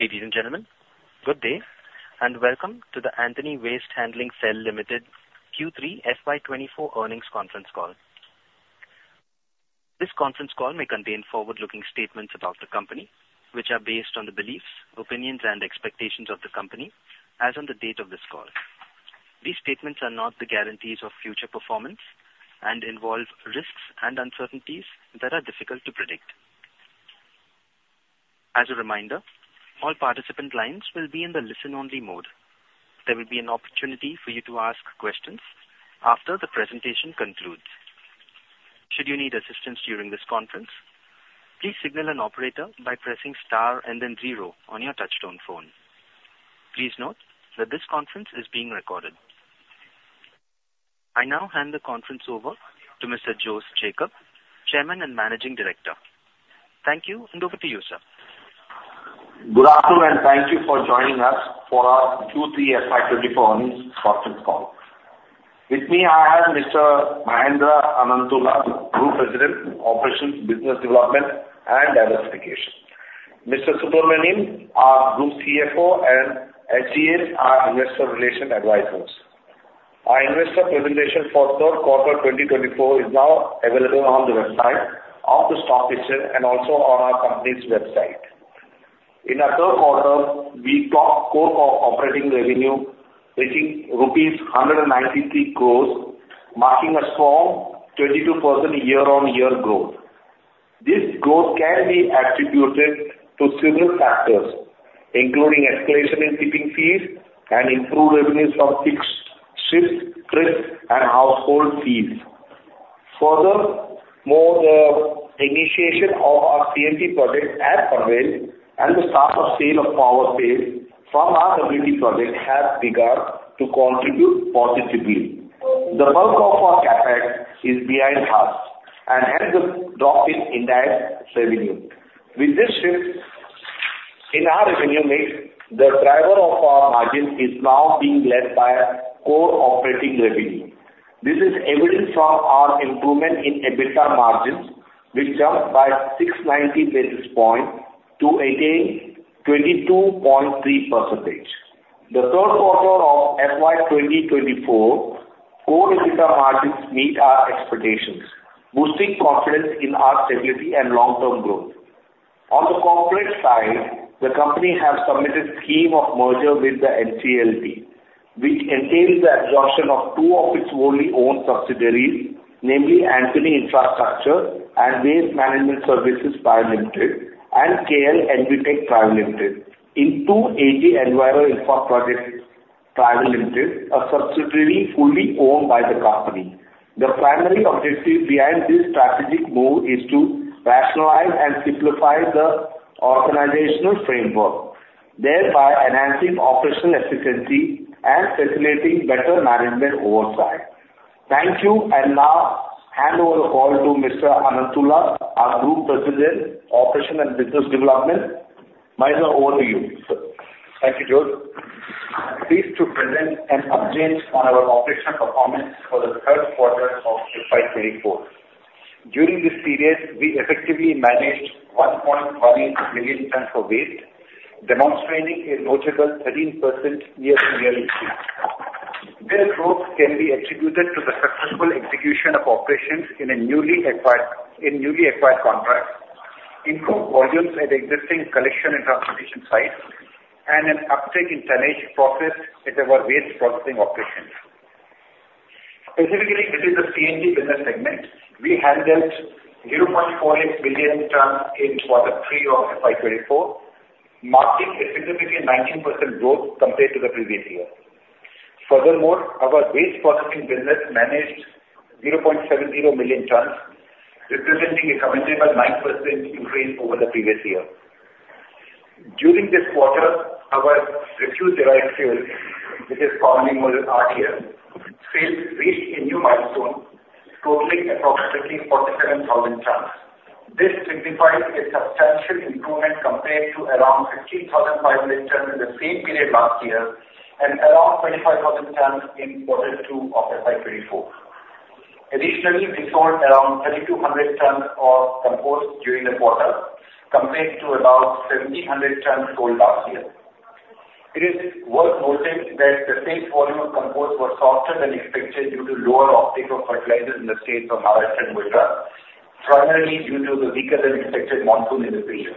Ladies and gentlemen, good day and welcome to the Antony Waste Handling Cell Limited Q3 FY 2024 Earnings Conference Call. This conference call may contain forward-looking statements about the company, which are based on the beliefs, opinions, and expectations of the company as on the date of this call. These statements are not the guarantees of future performance and involve risks and uncertainties that are difficult to predict. As a reminder, all participant lines will be in the listen-only mode. There will be an opportunity for you to ask questions after the presentation concludes. Should you need assistance during this conference, please signal an operator by pressing star and then zero on your touch-tone phone. Please note that this conference is being recorded. I now hand the conference over to Mr. Jose Jacob, Chairman and Managing Director. Thank you and over to you, sir. Good afternoon and thank you for joining us for our Q3 FY 2024 Earnings Conference Call. With me I have Mr. Mahendra Ananthula, Group President, Operations, Business Development, and Diversification. Mr. Subramanian, our Group CFO, and HCH, our Investor Relations Advisors. Our investor presentation for third quarter 2024 is now available on the website of the Stock Exchange and also on our company's website. In our third quarter, we posted core operating revenue reaching rupees 193 crores, marking a strong 22% year-on-year growth. This growth can be attributed to several factors, including escalation in tipping fees and improved revenues from fixed shifts, trips and household fees. Furthermore, the initiation of our C&T project at Panvel and the start of sales of power from our WtE project have begun to contribute positively. The bulk of our CapEx is behind us and has dropped in indirect expenses. With this shift in our revenue mix, the driver of our margin is now being led by core operating revenue. This is evident from our improvement in EBITDA margins, which jumped by 690 basis points to attain 22.3%. The third quarter of FY 2024 core EBITDA margins meet our expectations, boosting confidence in our stability and long-term growth. On the corporate side, the company has submitted a scheme of merger with the NCLT, which entails the absorption of two of its wholly owned subsidiaries, namely Antony Infrastructure and Waste Management Services Private Limited, and KL Envitech Private Limited, and into AG Enviro Infra Projects Private Limited, a subsidiary fully owned by the company. The primary objective behind this strategic move is to rationalize and simplify the organizational framework, thereby enhancing operational efficiency and facilitating better management oversight. Thank you and now hand over the call to Mr. Ananthula, our Group President, Operations and Business Development. Mahendra, over to you. Thank you, Jose. Pleased to present an update on our operational performance for the third quarter of FY 2024. During this period, we effectively managed 1.18 million tons of waste, demonstrating a notable 13% year-on-year increase. This growth can be attributed to the successful execution of operations in a newly acquired contract, improved volumes at existing collection and transportation sites, and an uptake in tonnage processed at our waste processing operations. Specifically, within the C&T business segment, we handled 0.48 million tons in quarter three of FY 2024, marking a significant 19% growth compared to the previous year. Furthermore, our waste processing business managed 0.70 million tons, representing a commendable 9% increase over the previous year. During this quarter, our refuse derived fuel, which is commonly called RDF, reached a new milestone, totaling approximately 47,000 tons. This signifies a substantial improvement compared to around 15,500 tons in the same period last year and around 25,000 tons in quarter two of FY 2024. Additionally, we sold around 3,200 tons of compost during the quarter compared to about 1,700 tons sold last year. It is worth noting that the sales volume of compost was softer than expected due to lower uptake of fertilizers in the states of Maharashtra and Gujarat, primarily due to the weaker-than-expected monsoon in the period.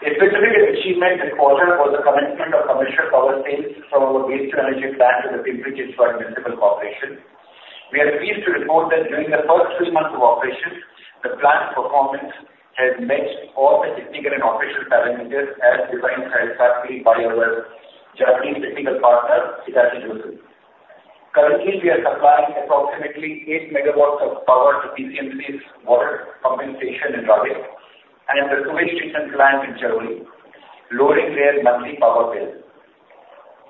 A specific achievement this quarter was the commencement of commercial power sales from our waste-to-energy plant to the Pimpri-Chinchwad Municipal Corporation. We are pleased to report that during the first three months of operations, the plant's performance has met all the technical and operational parameters as designed satisfactorily by our Japanese technical partner, Hitachi Zosen. Currently, we are supplying approximately 8 MW of power to PCMC's water pumping station in Ravet and the sewage treatment plant in Chikhali, lowering their monthly power bill.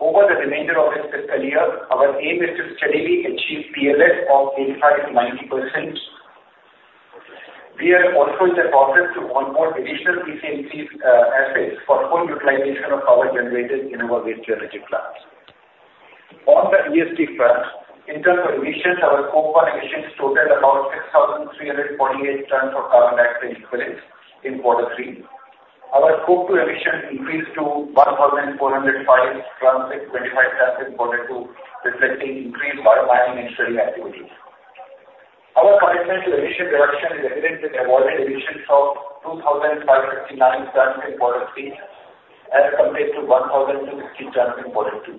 Over the remainder of this fiscal year, our aim is to steadily achieve PLF of 85%-90%. We are also in the process to onboard additional PCMC assets for full utilization of power generated in our waste-to-energy plant. On the ESG front, in terms of emissions, our Scope 1 emissions totaled about 6,348 tons of carbon dioxide equivalents in quarter three. Our Scope 2 emissions increased to 1,405 tons in quarter two, reflecting increased biomining and shredding activities. Our commitment to emission reduction is evident in avoiding emissions of 2,559 tons in quarter three as compared to 1,060 tons in quarter two.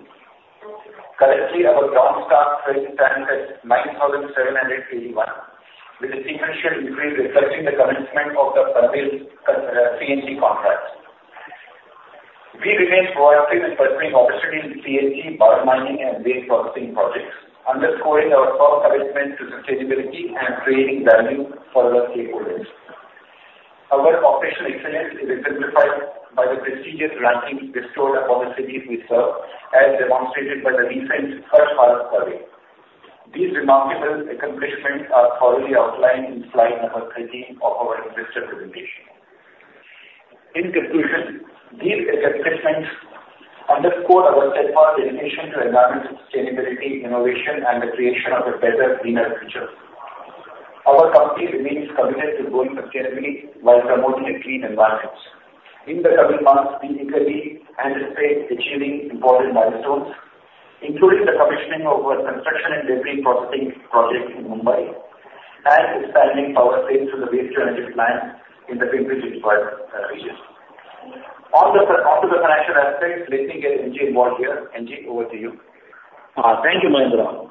Currently, our ground stock shredding tonnage is 9,781, with a sequential increase reflecting the commencement of the Panvel C&T contract. We remain proactive in pursuing opportunities in C&T, biomining, and waste processing projects, underscoring our firm commitment to sustainability and creating value for our stakeholders. Our operational excellence is exemplified by the prestigious rankings bestowed upon the cities we serve, as demonstrated by the recent Swachh Bharat survey. These remarkable accomplishments are thoroughly outlined in slide number 13 of our investor presentation. In conclusion, these accomplishments underscore our steadfast dedication to environmental sustainability, innovation, and the creation of a better, greener future. Our company remains committed to growing sustainably while promoting a clean environment. In the coming months, we eagerly anticipate achieving important milestones, including the commissioning of our construction and debris processing project in Mumbai and expanding power sales from the waste-to-energy plant in the Pimpri-Chinchwad region. Onto the financial aspects, let's get NG involved here. NG, over to you. Thank you, Mahendra.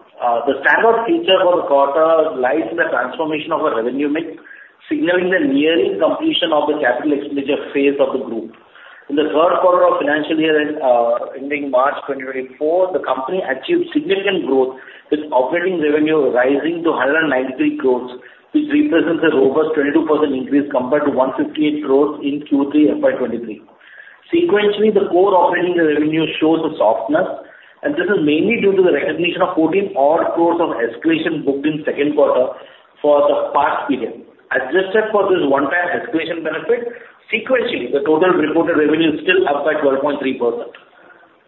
The standout feature for the quarter lies in the transformation of our revenue mix, signaling the nearing completion of the capital expenditure phase of the group. In the third quarter of financial year ending March 2024, the company achieved significant growth, with operating revenue rising to 193 crores, which represents a robust 22% increase compared to 158 crores in Q3 FY 2023. Sequentially, the core operating revenue shows a softness, and this is mainly due to the recognition of 14 odd crores of escalation booked in second quarter for the past period. Adjusted for this one-time escalation benefit, sequentially, the total reported revenue is still up by 12.3%.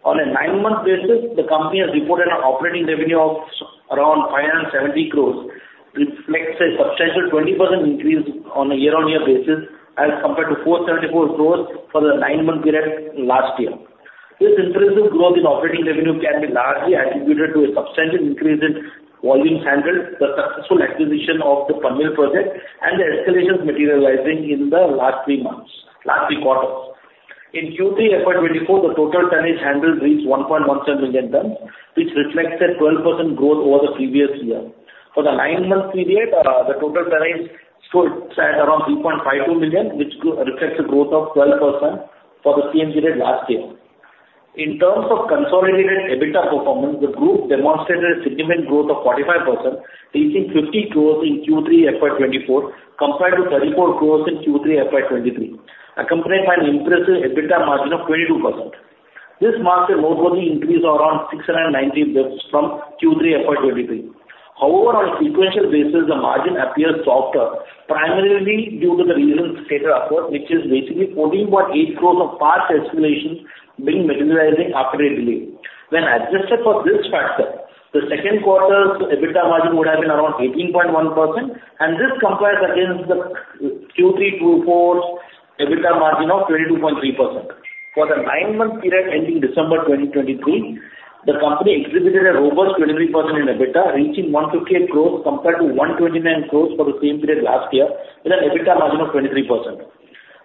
On a nine-month basis, the company has reported an operating revenue of around 570 crores, reflecting a substantial 20% increase on a year-on-year basis as compared to 474 crores for the nine-month period last year. This impressive growth in operating revenue can be largely attributed to a substantial increase in volumes handled, the successful acquisition of the Panvel project, and the escalations materializing in the last three quarters. In Q3 FY 2024, the total tonnage handled reached 1.17 million tons, which reflects a 12% growth over the previous year. For the nine-month period, the total tonnage sat around 3.52 million, which reflects a growth of 12% for the same period last year. In terms of consolidated EBITDA performance, the group demonstrated a significant growth of 45%, reaching 50 crores in Q3 FY24 compared to 34 crores in Q3 FY 2023, accompanied by an impressive EBITDA margin of 22%. This marks a noteworthy increase of around 690 basis points from Q3 FY 2023. However, on a sequential basis, the margin appears softer, primarily due to the recent stated above, which is basically 14.8 crores of past escalations being materializing after a delay. When adjusted for this factor, the second quarter's EBITDA margin would have been around 18.1%, and this compares against the Q3 FY 2024 EBITDA margin of 22.3%. For the nine-month period ending December 2023, the company exhibited a robust 23% in EBITDA, reaching 158 crores compared to 129 crores for the same period last year with an EBITDA margin of 23%.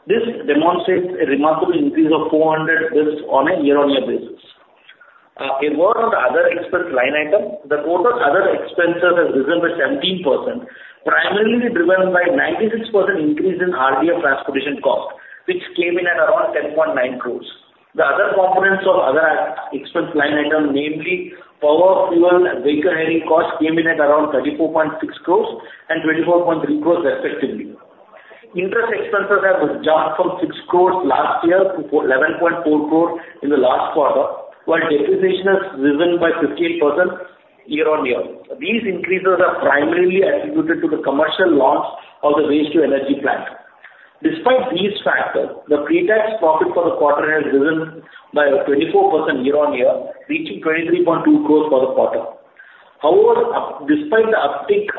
This demonstrates a remarkable increase of 400 basis points on a year-on-year basis. Avoiding the other expense line item, the total other expenses have risen by 17%, primarily driven by a 96% increase in RDF transportation cost, which came in at around 10.9 crores. The other components of other expense line items, namely power, fuel, and vehicle hiring costs, came in at around 34.6 crores and 24.3 crores, respectively. Interest expenses have jumped from 6 crores last year to 11.4 crores in the last quarter, while depreciation has risen by 15% year-on-year. These increases are primarily attributed to the commercial launch of the waste-to-energy plant. Despite these factors, the pre-tax profit for the quarter has risen by 24% year-on-year, reaching 23.2 crores for the quarter. However, despite the uptick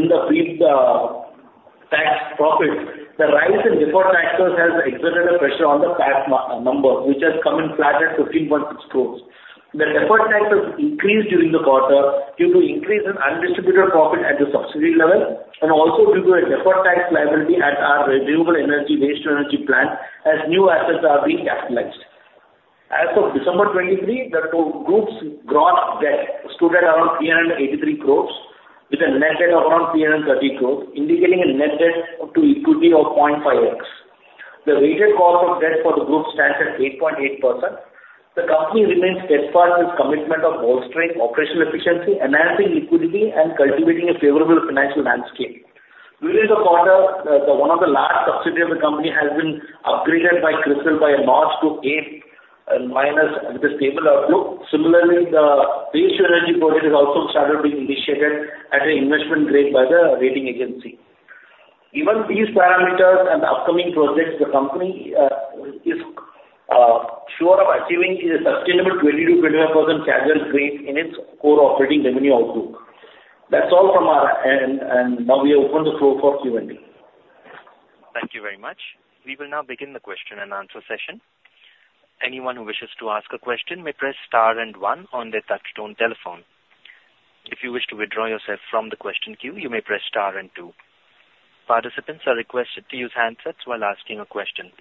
in the pre-tax profit, the rise in deferred taxes has exerted a pressure on the PAT numbers, which have come in flat at 15.6 crores. The deferred taxes increased during the quarter due to an increase in undistributed profit at the subsidiary level and also due to a deferred tax liability at our renewable energy waste-to-energy plant as new assets are being capitalized. As of December 23, the group's gross debt stood at around 383 crore, with a net debt of around 330 crore, indicating a net debt to equity of 0.5x. The weighted cost of debt for the group stands at 8.8%. The company remains steadfast in its commitment of bolstering operational efficiency, enhancing liquidity, and cultivating a favorable financial landscape. During the quarter, one of the large subsidiaries of the company has been upgraded by CRISIL by a notch to A minus with a stable outlook. Similarly, the waste-to-energy project has also started being initiated at an investment grade by the rating agency. Given these parameters and the upcoming projects, the company is sure of achieving a sustainable 20%-25% CAGR in its core operating revenue outlook. That's all from our end, and now we open the floor for Q&A. Thank you very much. We will now begin the question and answer session. Anyone who wishes to ask a question may press star and one on their touch-tone telephone. If you wish to withdraw yourself from the question queue, you may press star and two. Participants are requested to use handsets while asking a question.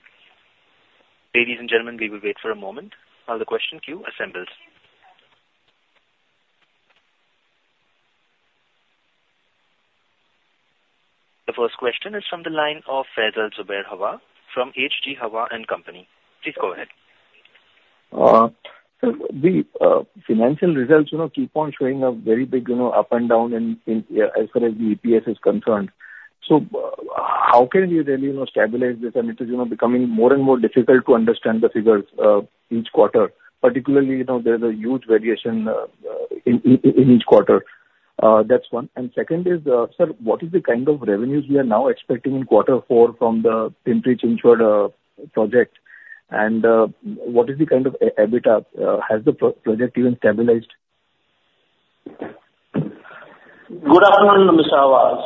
Ladies and gentlemen, we will wait for a moment while the question queue assembles. The first question is from the line of Faisal Zubair Hawa from H.G. Hawa and Company. Please go ahead. The financial results keep on showing a very big up and down as far as the EPS is concerned. So how can we really stabilize this? It is becoming more and more difficult to understand the figures each quarter, particularly there's a huge variation in each quarter. That's one. Second is, sir, what is the kind of revenues we are now expecting in quarter four from the Pimpri-Chinchwad project? What is the kind of EBITDA? Has the project even stabilized? Good afternoon, Mr. Hawa.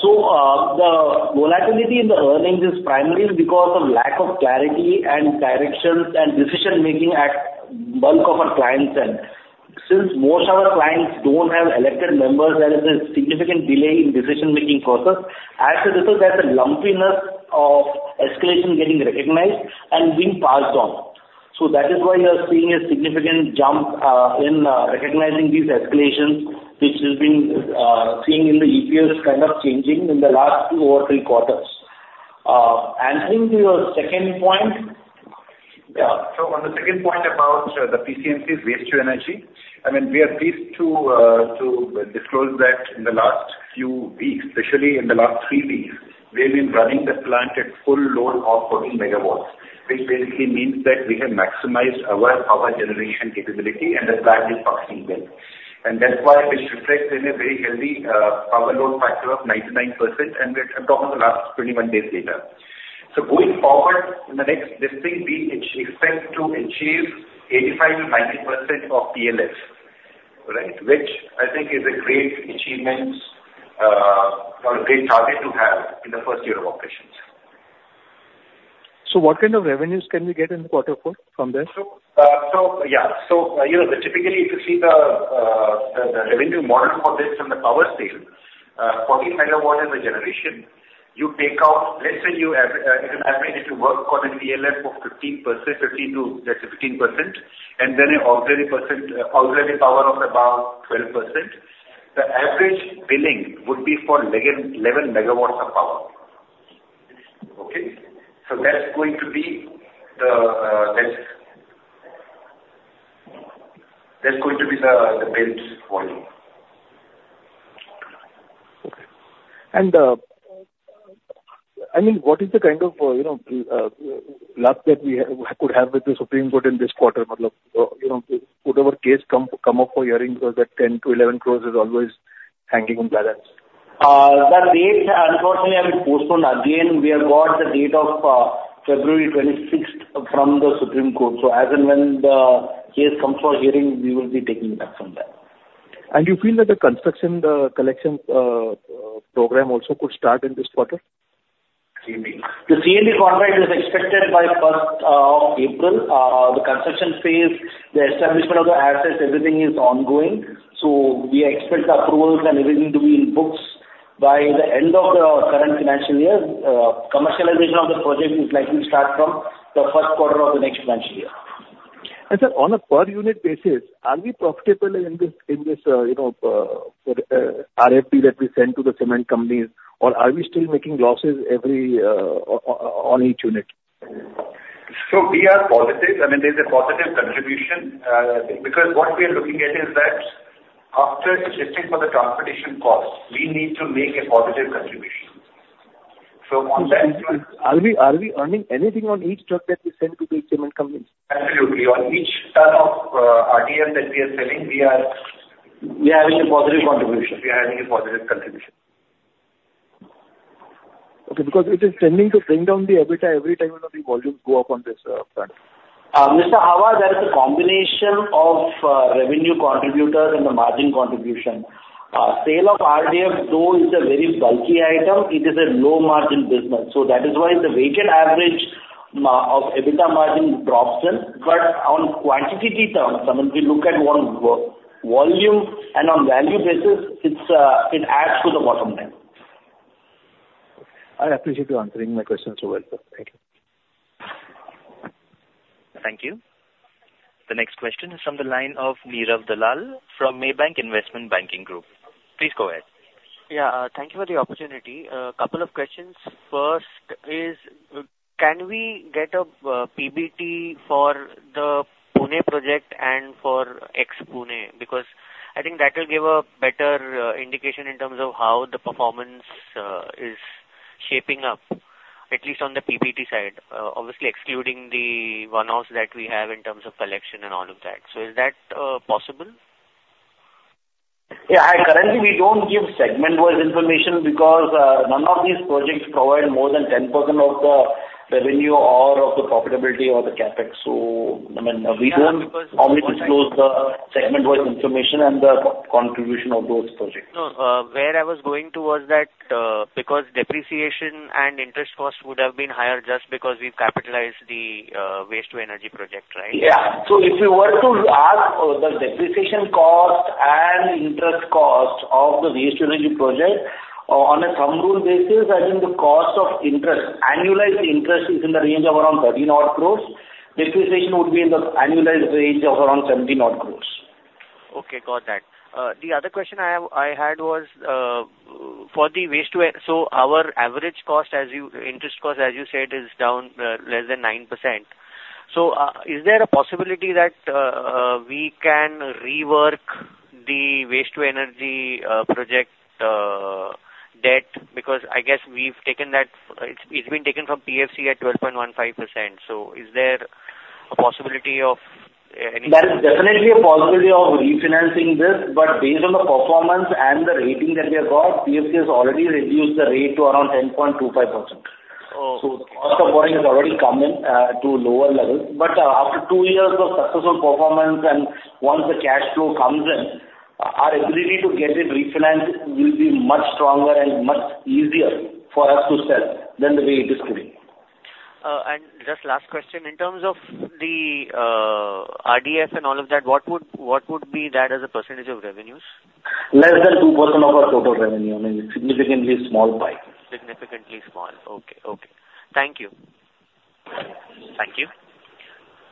The volatility in the earnings is primarily because of lack of clarity and directions and decision-making at the bulk of our clients. Since most of our clients don't have elected members, there is a significant delay in decision-making process. As a result, there's a lumpiness of escalation getting recognized and being passed on. That is why you are seeing a significant jump in recognizing these escalations, which you've been seeing in the EPS kind of changing in the last two or three quarters. Answering to your second point. Yeah. So on the second point about the PCMC's waste-to-energy, I mean, we are pleased to disclose that in the last few weeks, especially in the last three weeks, we have been running the plant at full load of 14 MW, which basically means that we have maximized our power generation capability and the plant is functioning well. And that's why this reflects in a very healthy power load factor of 99%, and we're talking the last 21 days later. So going forward in the next distinct week, it's expected to achieve 85%-90% of PLF, right, which I think is a great achievement or a great target to have in the first year of operations. What kind of revenues can we get in quarter four from there? So yeah. So typically, if you see the revenue model for this from the power sale, 14 MW is a generation. You take out let's say you have an average if you work on a PLF of 15%, and then an auxiliary power of about 12%, the average billing would be for 11 MW of power. Okay? So that's going to be the that's going to be the billed volume. Okay. I mean, what is the kind of luck that we could have with the Supreme Court in this quarter? Whatever case come up for hearing because that 10 crore-11 crore is always hanging on balance. That date, unfortunately, I will postpone again. We have got the date of February 26th from the Supreme Court. So as and when the case comes for hearing, we will be taking that from there. You feel that the construction collection program also could start in this quarter? C&D. The C&D contract is expected by 1st of April. The construction phase, the establishment of the assets, everything is ongoing. So we expect approvals and everything to be in books by the end of the current financial year. Commercialization of the project is likely to start from the first quarter of the next financial year. Sir, on a per-unit basis, are we profitable in this RFP that we send to the cement companies, or are we still making losses on each unit? So we are positive. I mean, there's a positive contribution because what we are looking at is that after adjusting for the transportation costs, we need to make a positive contribution. So on that. Are we earning anything on each truck that we send to the cement companies? Absolutely. On each ton of RDF that we are selling, we are. We are having a positive contribution. We are having a positive contribution. Okay. Because it is tending to bring down the EBITDA every time the volumes go up on this front. Mr. Hawa, there is a combination of revenue contributors and the margin contribution. Sale of RDF, though, is a very bulky item. It is a low-margin business. So that is why the weighted average of EBITDA margin drops in. But on quantitative terms, I mean, if we look at volume and on value basis, it adds to the bottom line. I appreciate you answering my questions so well, sir. Thank you. Thank you. The next question is from the line of Neerav Dalal from Maybank Investment Banking Group. Please go ahead. Yeah. Thank you for the opportunity. A couple of questions. First is, can we get a PBT for the Pune project and for Ex-Pune? Because I think that will give a better indication in terms of how the performance is shaping up, at least on the PBT side, obviously excluding the one-offs that we have in terms of collection and all of that. So is that possible? Yeah. Currently, we don't give segment-wise information because none of these projects provide more than 10% of the revenue or of the profitability or the CapEx. So I mean, we don't only disclose the segment-wise information and the contribution of those projects. No. Where I was going to was that because depreciation and interest costs would have been higher just because we've capitalized the waste-to-energy project, right? Yeah. So if you were to ask the depreciation cost and interest cost of the waste-to-energy project, on a thumb rule basis, I think the cost of interest, annualized interest, is in the range of around 13 crores. Depreciation would be in the annualized range of around 17 odd crores. Okay. Got that. The other question I had was for the waste-to-energy, so our average cost, interest cost, as you said, is down less than 9%. So is there a possibility that we can rework the waste-to-energy project debt? Because I guess we've taken that it's been taken from PFC at 12.15%. So is there a possibility of anything? There is definitely a possibility of refinancing this, but based on the performance and the rating that we have got, PFC has already reduced the rate to around 10.25%. So the cost of borrowing has already come in to lower levels. But after two years of successful performance and once the cash flow comes in, our ability to get it refinanced will be much stronger and much easier for us to sell than the way it is today. Just last question. In terms of the RDF and all of that, what would be that as a percentage of revenues? Less than 2% of our total revenue. I mean, it's a significantly small pie. Significantly small. Okay. Okay. Thank you. Thank you.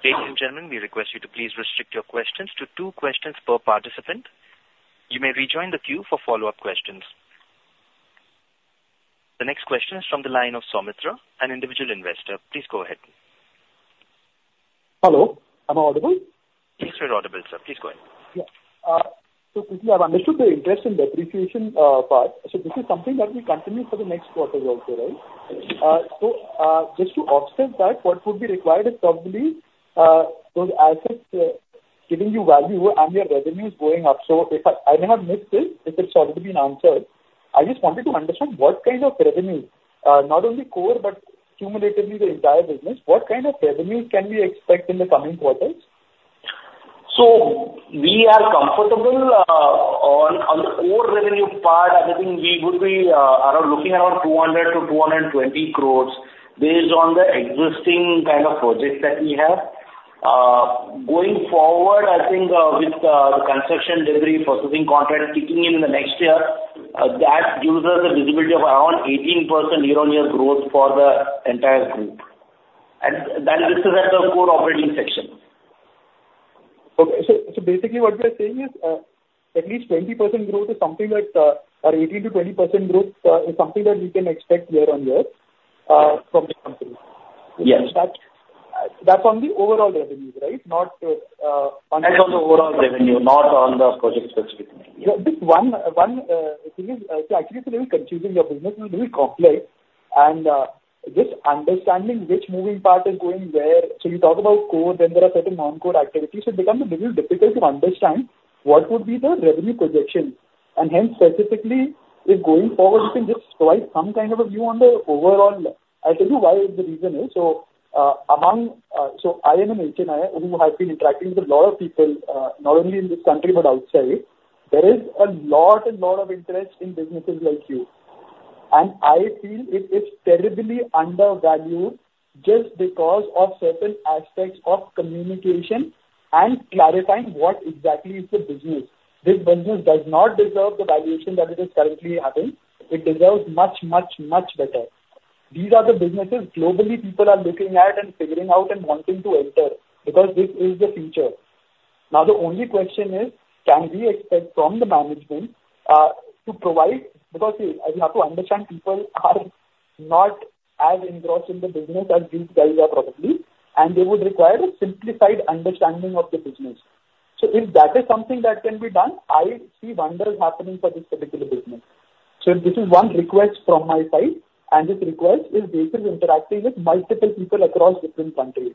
Ladies and gentlemen, we request you to please restrict your questions to two questions per participant. You may rejoin the queue for follow-up questions. The next question is from the line of Saumitra, an individual investor. Please go ahead. Hello. Am I audible? Yes, you're audible, sir. Please go ahead. Yeah. So quickly, I've understood the interest and depreciation part. So this is something that will continue for the next quarter also, right? So just to observe that, what would be required is probably those assets giving you value and your revenues going up. So I may have missed this. If it's already been answered, I just wanted to understand what kind of revenues, not only core but cumulatively the entire business, what kind of revenues can we expect in the coming quarters? We are comfortable on the core revenue part. I think we would be looking around 200 crores-220 crores based on the existing kind of projects that we have. Going forward, I think with the construction delivery processing contract kicking in in the next year, that gives us a visibility of around 18% year-on-year growth for the entire group. This is at the core operating section. Okay. So basically, what we are saying is at least 20% growth is something that or 18%-20% growth is something that we can expect year-on-year from the company. That's on the overall revenues, right? That's on the overall revenue, not on the project specifically. Yeah. This one thing is actually it's a little confusing. Your business is a little complex. And just understanding which moving part is going where so you talk about core, then there are certain non-core activities. So it becomes a little difficult to understand what would be the revenue projections. And hence, specifically, if going forward, you can just provide some kind of a view on the overall. I'll tell you why the reason is. So I am an HNI who has been interacting with a lot of people, not only in this country but outside. There is a lot and lot of interest in businesses like you. And I feel it is terribly undervalued just because of certain aspects of communication and clarifying what exactly is the business. This business does not deserve the valuation that it is currently having. It deserves much, much, much better. These are the businesses globally people are looking at and figuring out and wanting to enter because this is the future. Now, the only question is, can we expect from the management to provide because we have to understand people are not as engrossed in the business as these guys are probably, and they would require a simplified understanding of the business? So if that is something that can be done, I see wonders happening for this particular business. So this is one request from my side. This request is basically interacting with multiple people across different countries.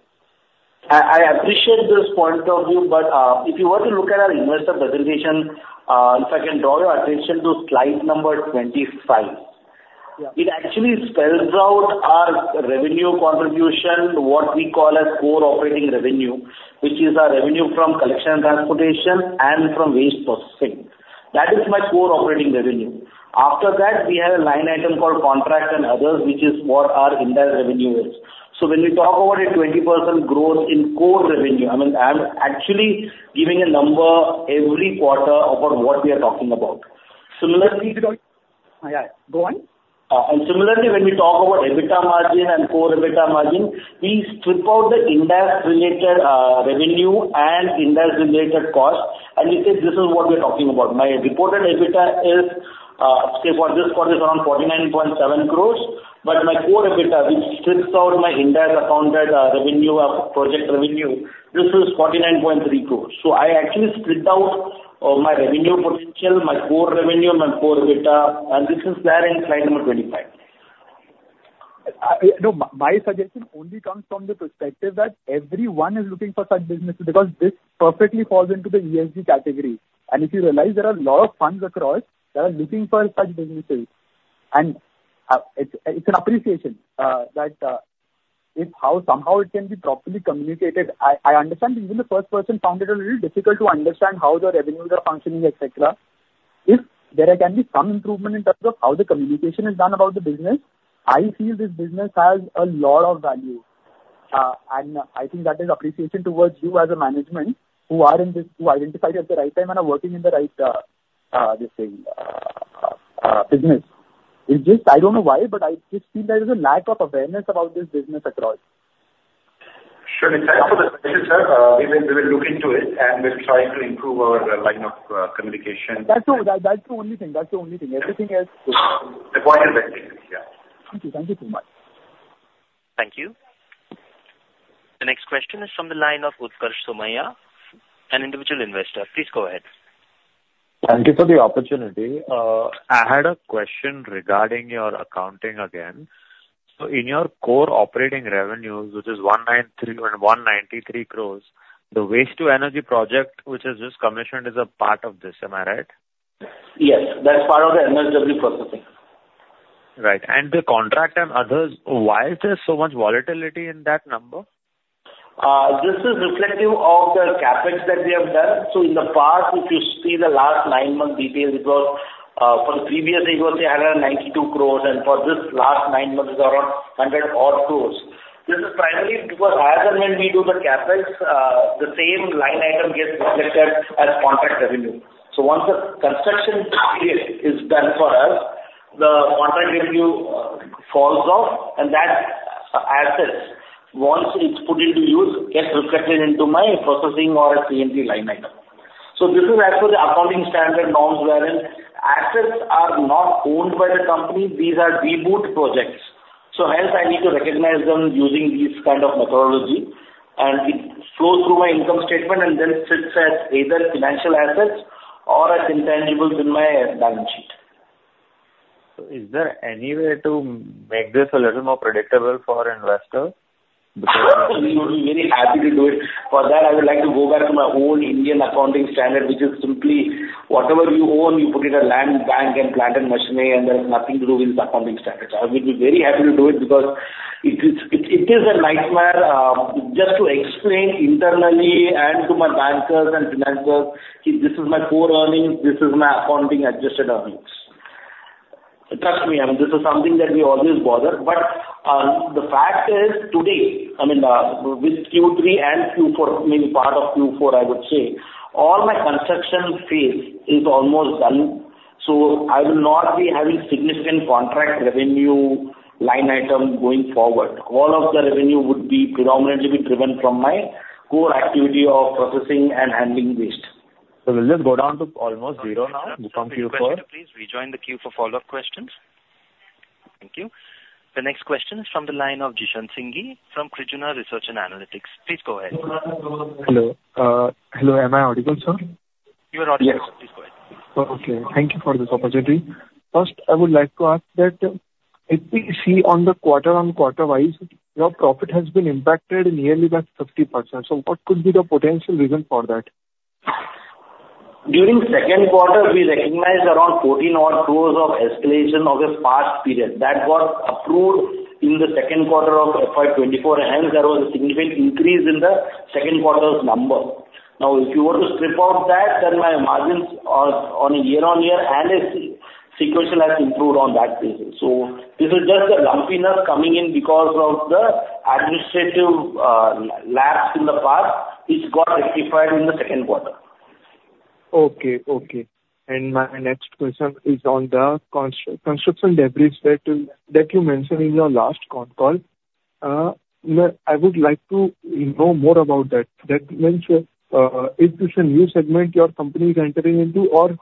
I appreciate this point of view. But if you were to look at our investor presentation, if I can draw your attention to slide number 25, it actually spells out our revenue contribution, what we call as core operating revenue, which is our revenue from collection and transportation and from waste processing. That is my core operating revenue. After that, we have a line item called contract and others, which is what our index revenue is. So when we talk about a 20% growth in core revenue, I mean, I'm actually giving a number every quarter about what we are talking about. Similarly. Can you keep it on? Yeah. Go on. Similarly, when we talk about EBITDA margin and core EBITDA margin, we strip out the index-related revenue and index-related cost, and we say, "This is what we're talking about." My reported EBITDA is for this quarter, it's around 49.7 crores. But my core EBITDA, which strips out my index-accounted revenue, project revenue, this is 49.3 crores. So I actually split out my revenue potential, my core revenue, my core EBITDA. This is there in slide number 25. No, my suggestion only comes from the perspective that everyone is looking for such businesses because this perfectly falls into the ESG category. If you realize there are a lot of funds across that are looking for such businesses. It's an appreciation that somehow it can be properly communicated. I understand even the first person founded it was a little difficult to understand how the revenues are functioning, etc. If there can be some improvement in terms of how the communication is done about the business, I feel this business has a lot of value. I think that is appreciation towards you as a management who identified it at the right time and are working in the right, let's say, business. It's just I don't know why, but I just feel there is a lack of awareness about this business across. Sure. It's helpful that you said we will look into it, and we'll try to improve our line of communication. That's the only thing. That's the only thing. Everything else is good. The point is basically. Yeah. Thank you. Thank you so much. Thank you. The next question is from the line of Utkarsh Somaiya, an individual investor. Please go ahead. Thank you for the opportunity. I had a question regarding your accounting again. So in your core operating revenues, which is 193 crore, the waste-to-energy project, which is just commissioned, is a part of this. Am I right? Yes. That's part of the MSW processing. Right. And the contract and others, why is there so much volatility in that number? This is reflective of the CapEx that we have done. In the past, if you see the last nine-month details, it was for the previous year, it was 192 crores. For this last nine months, it's around 100-odd crores. This is primarily because as and when we do the CapEx, the same line item gets reflected as contract revenue. Once the construction period is done for us, the contract revenue falls off. That asset, once it's put into use, gets reflected into my processing or a C&T line item. This is as per the accounting standard norms wherein assets are not owned by the company. These are DBOOT projects. Hence, I need to recognize them using this kind of methodology. It flows through my income statement and then sits as either financial assets or as intangibles in my balance sheet. So is there any way to make this a little more predictable for investors? We would be very happy to do it. For that, I would like to go back to my old Indian accounting standard, which is simply whatever you own, you put it at land, buildings, plant and machinery, and there is nothing to do with this accounting standard. I would be very happy to do it because it is a nightmare just to explain internally and to my bankers and financiers, "This is my core earnings. This is my accounting-adjusted earnings." Trust me. I mean, this is something that we always bother. But the fact is, today, I mean, with Q3 and Q4, maybe part of Q4, I would say, all my construction phase is almost done. So I will not be having significant contract revenue line item going forward. All of the revenue would predominantly be driven from my core activity of processing and handling waste. We'll just go down to almost zero now from Q4. Quick question, please. Rejoin the queue for follow-up questions. Thank you. The next question is from the line of Jishan Singhi from Krijuna Research and Analytics. Please go ahead. Hello. Hello. Am I audible, sir? You are audible, sir. Please go ahead. Okay. Thank you for this opportunity. First, I would like to ask that if we see on the quarter-over-quarter-wise, your profit has been impacted nearly by 50%. So what could be the potential reason for that? During second quarter, we recognized around 14-odd crores of escalation of a past period that got approved in the second quarter of FY 2024. And hence, there was a significant increase in the second quarter's number. Now, if you were to strip out that, then my margins on a year-over-year and sequential have improved on that basis. So this is just the lumpiness coming in because of the administrative lapse in the past, which got rectified in the second quarter. Okay. Okay. My next question is on the construction debris that you mentioned in your last call. I would like to know more about that. That means if it's a new segment your company is entering into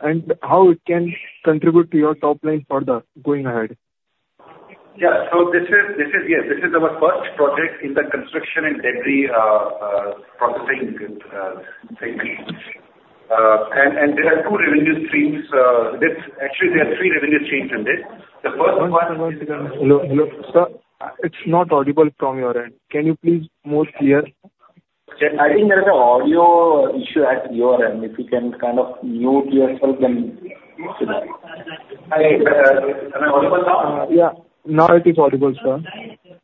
and how it can contribute to your top line further going ahead. Yeah. So yeah, this is our first project in the construction and debris processing segment. And there are two revenue streams. Actually, there are three revenue streams in this. The first one. One second. One second. Hello. Hello, sir. It's not audible from your end. Can you please move clear? I think there is an audio issue at your end. If you can kind of mute yourself, then we can hear you. Am I audible now? Yeah. Now it is audible, sir.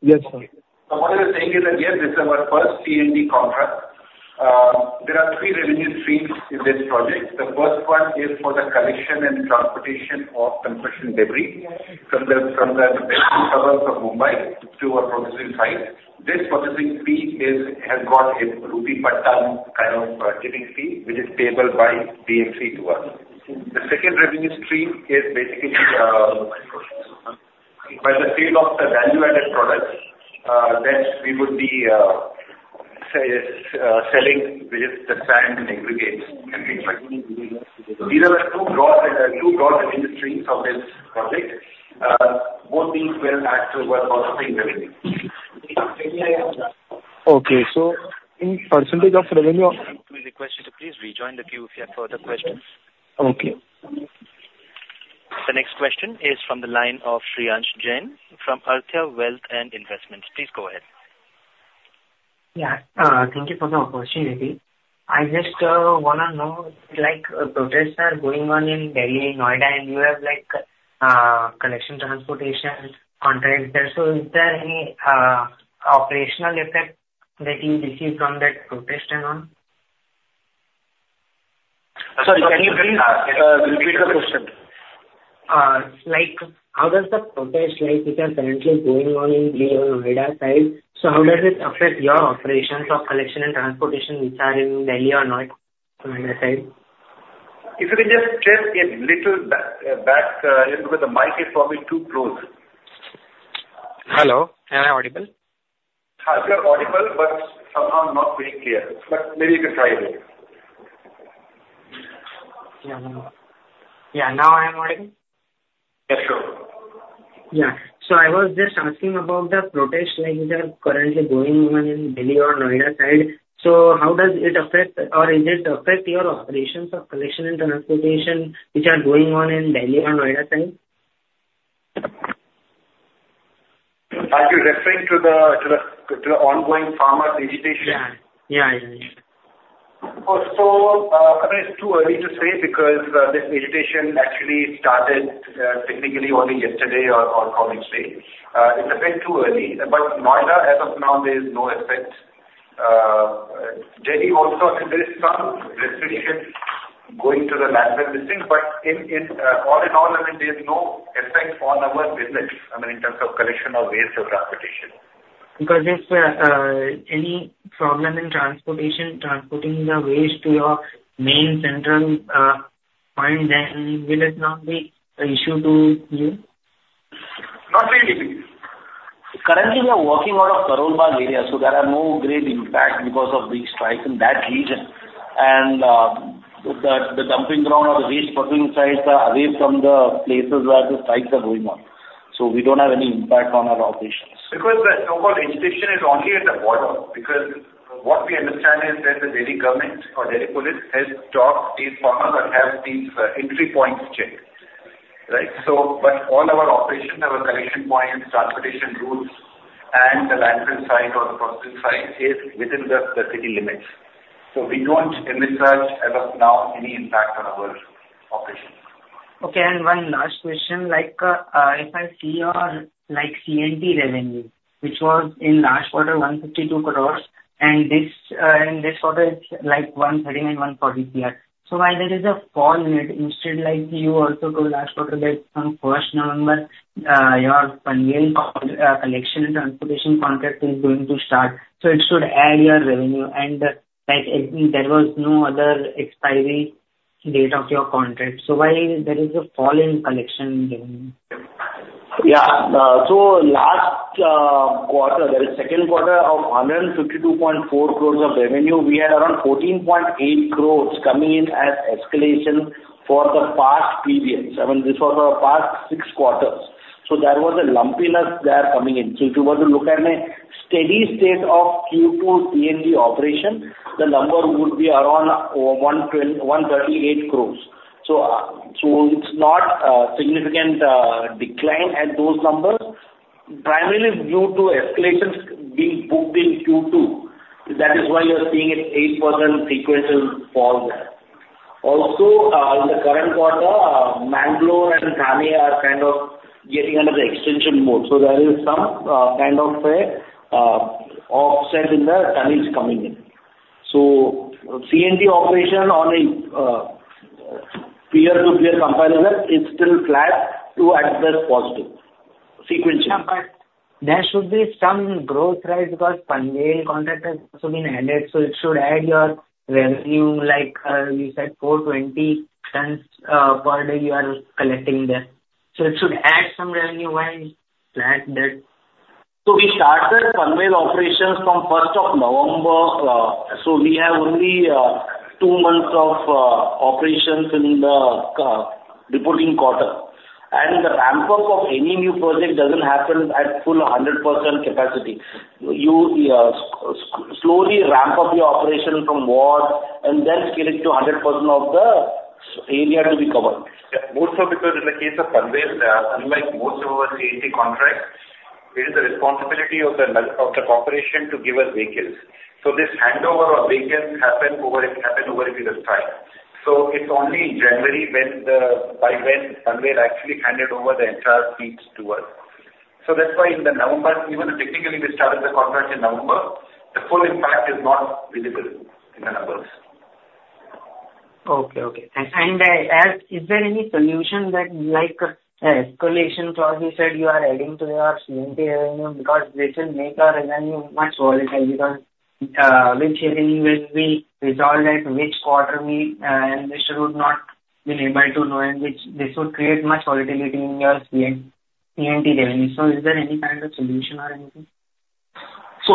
Yes, sir. So what I was saying is that, yes, this is our first C&T contract. There are three revenue streams in this project. The first one is for the collection and transportation of construction debris from the Western Suburbs of Mumbai to our processing site. This processing fee has got a INR 1 per ton kind of shipping fee, which is paid by BMC to us. The second revenue stream is basically by the sale of the value-added products that we would be selling, which is the sand and aggregates and things like that. These are the two broad revenue streams of this project. Both these will add to our processing revenue. Okay. So in percentage of revenue. Quick question to please rejoin the queue if you have further questions. Okay. The next question is from the line of Shreyansh Jain from Arthya Wealth and Investments. Please go ahead. Yeah. Thank you for the opportunity. I just want to know, like a protest that's going on in Delhi, Noida, and you have collection transportation contracts there. So is there any operational effect that you receive from that protest and on? Sorry. Can you please repeat the question? How does the protest, which is currently going on in Delhi or Noida side, so how does it affect your operations of collection and transportation, which are in Delhi or Noida side? If you can just step a little back because the mic is probably too close. Hello. Am I audible? You're audible but somehow not very clear. Maybe you can try again. Yeah. Now I am audible? Yes, sure. Yeah. I was just asking about the protest which are currently going on in Delhi or Noida side. How does it affect or is it affect your operations of collection and transportation which are going on in Delhi or Noida side? Are you referring to the ongoing farmers' agitation? Yeah. Yeah. Yeah. Yeah. So I mean, it's too early to say because this agitation actually started technically only yesterday or probably today. It's a bit too early. But Noida, as of now, there is no effect. Delhi also, I mean, there is some restrictions going to the land service thing. But all in all, I mean, there's no effect on our business, I mean, in terms of collection of waste or transportation. Because if any problem in transportation, transporting the waste to your main central point, then will it not be an issue to you? Not really. Currently, we are working out of Karol Bagh area. So there are no great impacts because of these strikes in that region. And the dumping ground or the waste putting sites are away from the places where the strikes are going on. So we don't have any impact on our operations. Because the so-called agitation is only at the border because what we understand is that the Delhi government or Delhi police has stopped these farmers that have these entry points checked, right? But all our operations, our collection points, transportation routes, and the landfill site or the processing site is within the city limits. So we don't, as of now, have any impact on our operations. Okay. And one last question. If I see your C&T revenue, which was in last quarter, 152 crores, and this quarter is 139 and 140 crores, so why there is a fall in it instead you also go last quarter that from 1st November, your Panvel collection and transportation contract is going to start? So it should add your revenue. And there was no other expiry date of your contract. So why there is a fall in collection revenue? Yeah. So last quarter, the second quarter of 152.4 crore of revenue, we had around 14.8 crore coming in as escalation for the past period. I mean, this was for the past six quarters. So there was a lumpiness there coming in. So if you were to look at a steady state of Q2 C&T operation, the number would be around 138 crore. So it's not a significant decline at those numbers, primarily due to escalations being booked in Q2. That is why you're seeing an 8% sequential fall there. Also, in the current quarter, Mangaluru and Thane are kind of getting under the extension mode. So there is some kind of offset in the Thane coming in. So C&T operation on a peer-to-peer comparison, it's still flat to at best positive sequentially. There should be some growth rise because Panvel contract has also been added. So it should add your revenue. You said 420 tons per day you are collecting there. So it should add some revenue while it's flat there. So we started Panvel operations from 1st of November. So we have only two months of operations in the reporting quarter. The ramp-up of any new project doesn't happen at full 100% capacity. You slowly ramp up your operation from ward and then scale it to 100% of the area to be covered. Yeah. But because in the case of Panvel, unlike most of our C&T contracts, it is a responsibility of the corporation to give us vehicles. So this handover of vehicles happened over a period of time. So it's only in January by when Panvel actually handed over the entire fleets to us. So that's why in November, even technically, we started the contract in November, the full impact is not visible in the numbers. Okay. Okay. And is there any solution that the escalation clause you said you are adding to your C&T revenue because this will make our revenue much volatile? Which revenue will be resolved at which quarter, and this should not be able to know in which this would create much volatility in your C&T revenue? So is there any kind of solution or anything?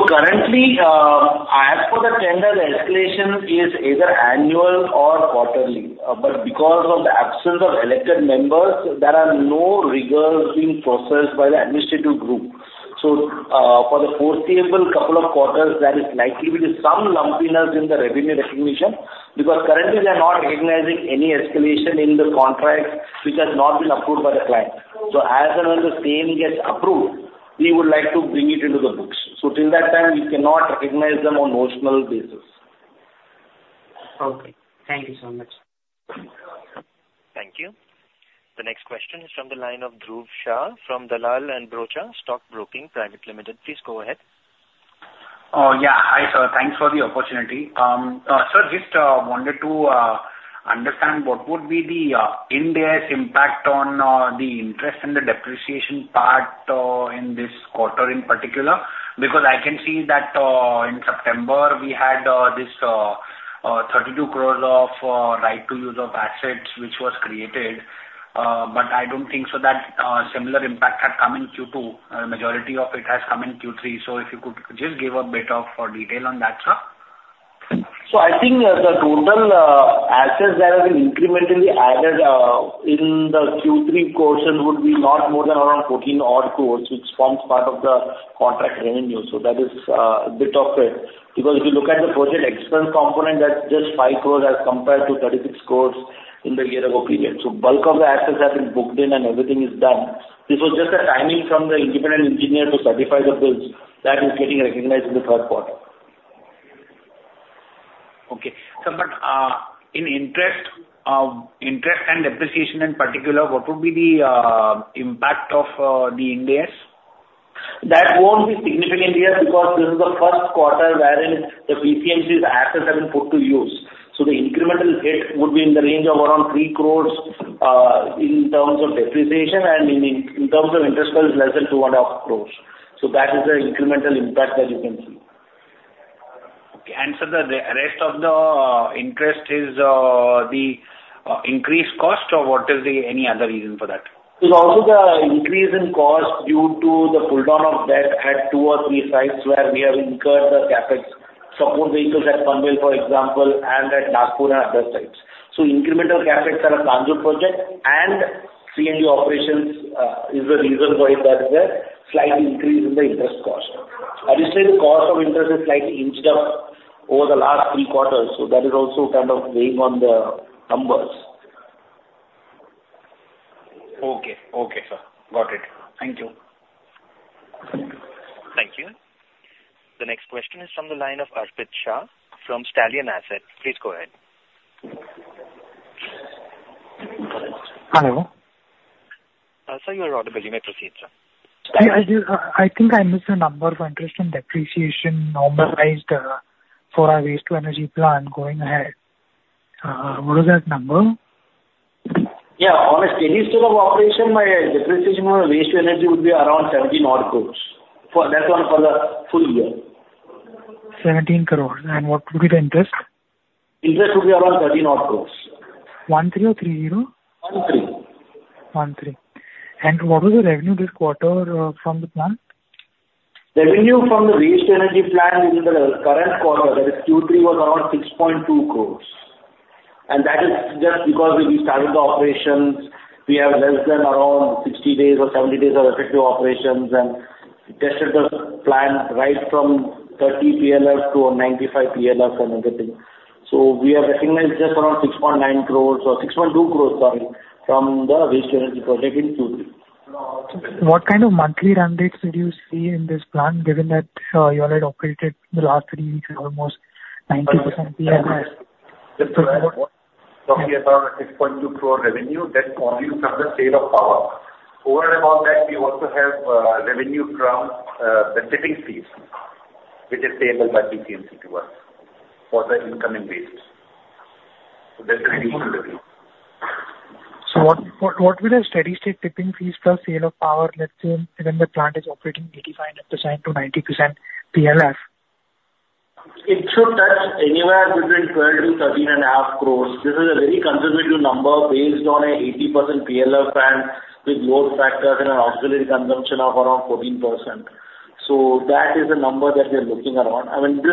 Currently, as for the tender, the escalation is either annual or quarterly. Because of the absence of elected members, there are no rigors being processed by the administrative group. For the foreseeable couple of quarters, there is likely to be some lumpiness in the revenue recognition because currently, they are not recognizing any escalation in the contract which has not been approved by the client. As and when the same gets approved, we would like to bring it into the books. Till that time, we cannot recognize them on notional basis. Okay. Thank you so much. Thank you. The next question is from the line of Dhruv Shah from Dalal & Broacha Stock Broking Private Limited. Please go ahead. Yeah. Hi, sir. Thanks for the opportunity. Sir, just wanted to understand what would be the in-depth impact on the interest and the depreciation part in this quarter in particular because I can see that in September, we had this 32 crore of right to use of assets which was created. But I don't think so that similar impact had come in Q2. The majority of it has come in Q3. So if you could just give a bit of detail on that, sir. So I think the total assets that have been incrementally added in the Q3 portion would be not more than around 14-odd crores, which forms part of the contract revenue. So that is a bit of it because if you look at the project expense component, that's just 5 crores as compared to 36 crores in the year-ago period. So bulk of the assets have been booked in, and everything is done. This was just a timing from the independent engineer to certify the bills that is getting recognized in the third quarter. Okay. But in interest and depreciation in particular, what would be the impact of the indebtedness? That won't be significant here because this is the first quarter wherein the PCMC's assets have been put to use. So the incremental hit would be in the range of around 3 crore in terms of depreciation and in terms of interest bills less than 2.5 crore. So that is the incremental impact that you can see. Okay. The rest of the interest is the increased cost, or what is any other reason for that? It's also the increase in cost due to the pulldown of debt at two or three sites where we have incurred the CapEx support vehicles at Panvel, for example, and at Nagpur and other sites. So incremental CapEx at a Kanjur project and C&T operations is the reason why that is there, slight increase in the interest cost. Additionally, the cost of interest is slightly inched up over the last three quarters. So that is also kind of weighing on the numbers. Okay. Okay, sir. Got it. Thank you. Thank you. The next question is from the line of Arpit Shah from Stallion Asset. Please go ahead. Hello. Sir, you're audible. You may proceed, sir. Yeah. I think I missed a number for interest and depreciation normalized for waste-to-energy plant going ahead. What was that number? Yeah. On a steady state of operation, my depreciation on waste-to-energy would be around 17-odd crores. That is for the full year. 17 crore. What would be the interest? Interest would be around 13-odd crores. 13 or 30? 13. What was the revenue this quarter from the plant? Revenue from the waste-to-energy plant in the current quarter, that is Q3, was around 6.2 crores. And that is just because when we started the operations, we have less than around 60 days or 70 days of effective operations and tested the plant right from 30 PLF to 95 PLF and everything. So we have recognized just around 6.9 crores or 6.2 crores, sorry, from the waste-to-energy project in Q3. What kind of monthly run rates did you see in this plan given that you already operated the last three weeks almost 90% PLF? We have around 6.2 crore revenue that's only from the sale of power. Over and above that, we also have revenue from the tipping fees, which is payable by PCMC to us for the incoming waste. So that's the initial revenue. What would a steady state tipping fees plus sale of power, let's say, when the plant is operating 85%-90% PLF? It should touch anywhere between 12 crores-13.5 crores. This is a very conservative number based on an 80% PLF plan with load factors and an auxiliary consumption of around 14%. So that is a number that we're looking around. I mean,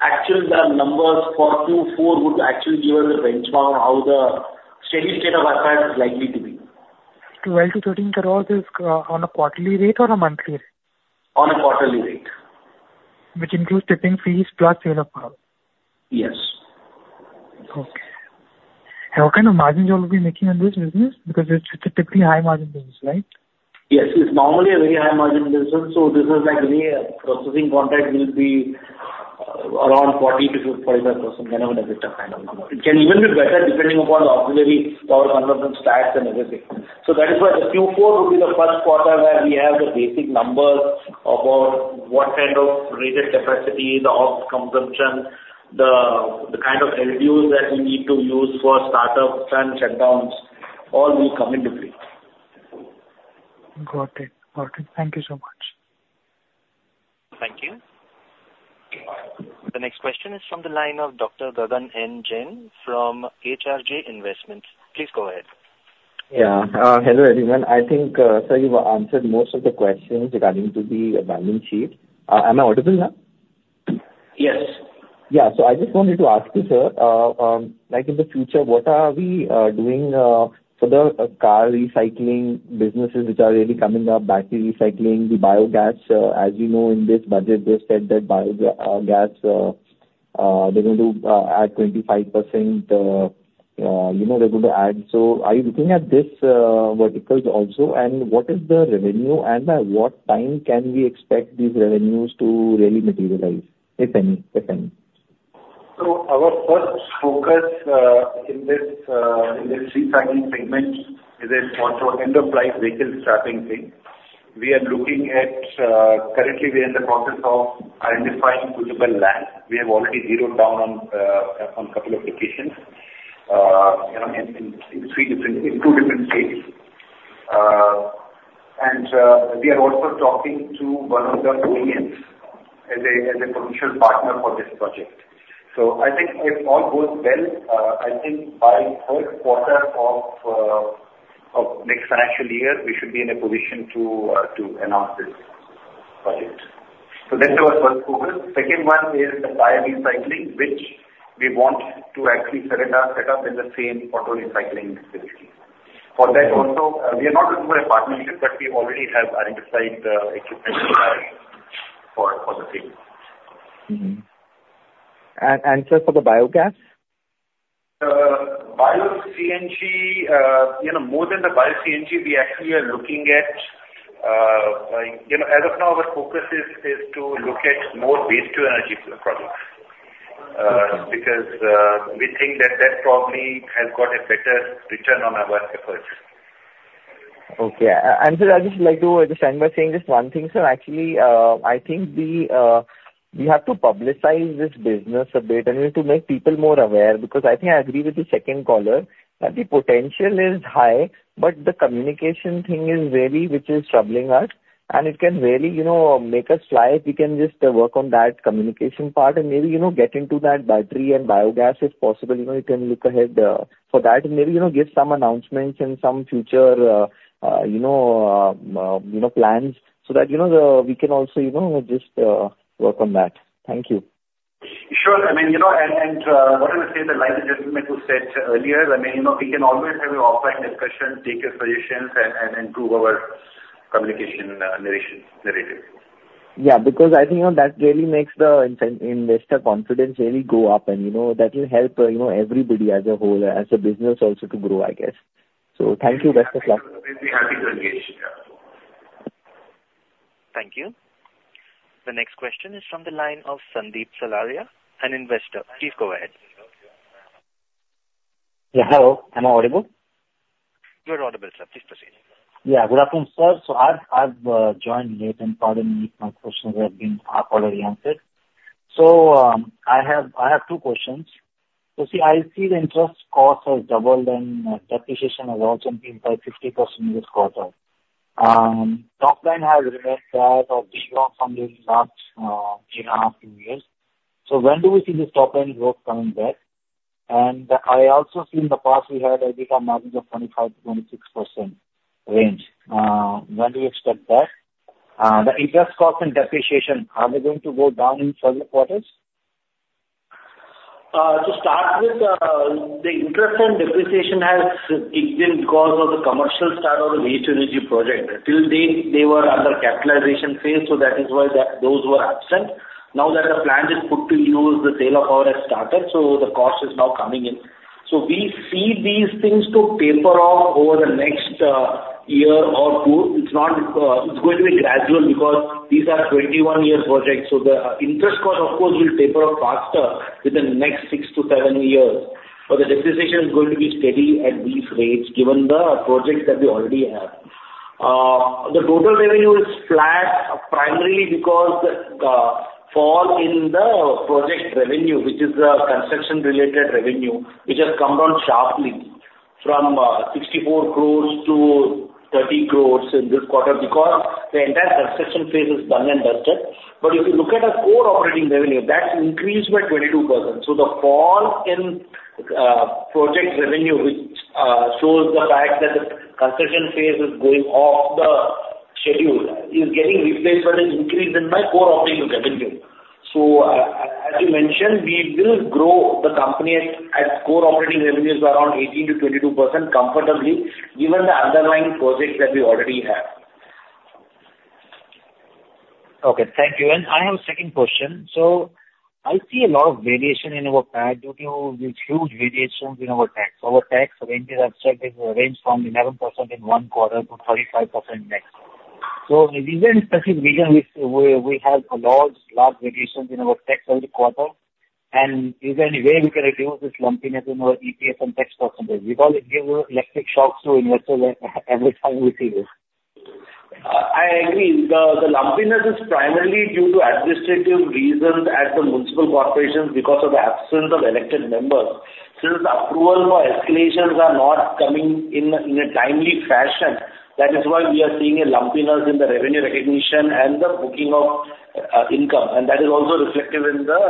actually, the numbers for Q4 would actually give us a benchmark on how the steady state of our plant is likely to be. 12 crores-13 crores, is on a quarterly rate or a monthly rate? On a quarterly rate. Which includes tipping fees plus sale of power? Yes. Okay. And what kind of margin you'll be making on this business because it's a typically high-margin business, right? Yes. It's normally a very high-margin business. So this is like any processing contract will be around 40%-45%, kind of an effective kind of number. It can even be better depending upon the auxiliary power consumption stats and everything. So that is why the Q4 would be the first quarter where we have the basic numbers about what kind of rated capacity, the ops consumption, the kind of LDUs that we need to use for startups and shutdowns. All will come into play. Got it. Got it. Thank you so much. Thank you. The next question is from the line of Dr. Gagan N. Jain from HRJ Investments. Please go ahead. Yeah. Hello, everyone. I think, sir, you've answered most of the questions regarding to the balance sheet. Am I audible now? Yes. Yeah. So I just wanted to ask you, sir, in the future, what are we doing for the car recycling businesses which are really coming up, battery recycling, the biogas? As you know, in this budget, they said that biogas, they're going to add 25%. They're going to add. So are you looking at these verticals also, and what is the revenue, and by what time can we expect these revenues to really materialize, if any? So our first focus in this recycling segment is also enterprise vehicle scrapping thing. Currently, we are in the process of identifying suitable land. We have already zeroed down on a couple of locations in two different states. And we are also talking to one of the OEMs as a potential partner for this project. So I think if all goes well, I think by third quarter of next financial year, we should be in a position to announce this project. So that's our first focus. Second one is the tire recycling, which we want to actually set up in the same auto recycling facility. For that also, we are not looking for a partnership, but we already have identified the equipment for the same. Just for the biogas? The bio-CNG, more than the bio-CNG, we actually are looking at as of now, our focus is to look at more waste-to-energy products because we think that that probably has got a better return on our efforts. Okay. Sir, I just like to understand by saying just one thing, sir. Actually, I think we have to publicize this business a bit, and we have to make people more aware because I think I agree with the second caller that the potential is high, but the communication thing is really which is troubling us, and it can really make us fly if we can just work on that communication part and maybe get into that battery and biogas if possible. You can look ahead for that and maybe give some announcements and some future plans so that we can also just work on that. Thank you. Sure. I mean, what I would say, like the gentleman who said earlier, I mean, we can always have an offline discussion, take your suggestions, and improve our communication narrative. Yeah. Because I think that really makes the investor confidence really go up, and that will help everybody as a whole, as a business also to grow, I guess. So thank you, best of luck. We'll be happy to engage. Yeah. Thank you. The next question is from the line of Sandeep Salaria, an investor. Please go ahead. Yeah. Hello. Am I audible? You're audible, sir. Please proceed. Yeah. Good afternoon, sir. I've joined late. Pardon me. My questions have been half already answered. I have two questions. See, I see the interest cost has doubled, and depreciation has also impacted 50% in this quarter. Topline has remained that of big long funding last year and a half, two years. When do we see this top line growth coming back? I also see in the past, we had a bit of margin of 25%-26% range. When do we expect that? The interest cost and depreciation, are they going to go down in further quarters? To start with, the interest and depreciation has ignited because of the commercial start of the waste-to-energy project. To date, they were under capitalization phase, so that is why those were absent. Now that the plant is put to use, the sale of power has started, so the cost is now coming in. So we see these things to taper off over the next year or two. It's going to be gradual because these are 21-year projects. So the interest cost, of course, will taper off faster within the next six to seven years. But the depreciation is going to be steady at these rates given the projects that we already have. The total revenue is flat primarily because the fall in the project revenue, which is the construction-related revenue, which has come down sharply from 64 crore to 30 crore in this quarter because the entire construction phase is done and dusted. But if you look at our core operating revenue, that increased by 22%. So the fall in project revenue, which shows the fact that the construction phase is going off the schedule, is getting replaced by the increase in my core operating revenue. So as you mentioned, we will grow the company at core operating revenues around 18%-22% comfortably given the underlying projects that we already have. Okay. Thank you. I have a second question. I see a lot of variation in our PAT due to these huge variations in our tax. Our tax rate is erratic. It ranged from 11% in one quarter to 35% next. Is there any specific region where we have a large variation in our tax every quarter? And is there any way we can reduce this lumpiness in our EPS and tax percentage? We call it give electric shocks to investors every time we see this. I agree. The lumpiness is primarily due to administrative reasons at the municipal corporations because of the absence of elected members. Since approval for escalations are not coming in a timely fashion, that is why we are seeing lumpiness in the revenue recognition and the booking of income. And that is also reflective in the